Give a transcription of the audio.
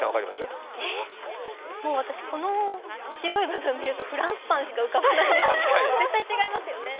もう私、この白い部分見るとフランスパンしか浮かばないんですけど、絶対違いますよね。